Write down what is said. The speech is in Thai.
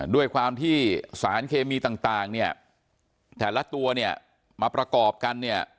ด้วยความที่สารเคมีต่างเนี่ยแต่ละตัวเนี่ยมาประกอบกันเนี่ย